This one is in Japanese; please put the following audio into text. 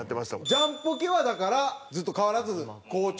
ジャンポケはだからずっと変わらず好調な感じやね？